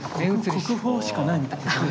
国宝しかないみたいな。